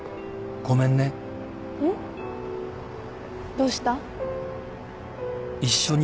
どうした？